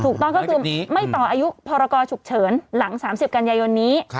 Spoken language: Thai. ถูกต้องก็คือไม่ต่ออายุพรกรฉุกเฉินหลัง๓๐กันยายนนี้